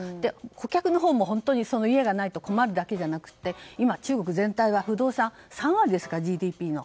顧客のほうも家がないと困るだけじゃなくて今、中国全体が不動産３割ですかＧＤＰの。